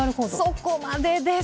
そこまでです。